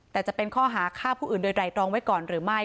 แต่จะเป็นข้อหาฆ่าผู้อื่นโดยไรตรองไว้ก่อนหรือไม่